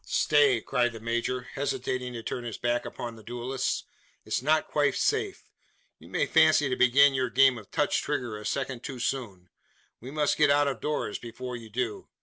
"Stay!" cried the major, hesitating to turn his back upon the duellist. "It's not quite safe. You may fancy to begin your game of touch trigger a second too soon. We must get out of doors before you do.